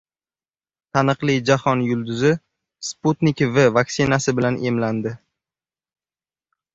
Taniqli jahon yulduzi “Sputnik V” vaksinasi bilan emlandi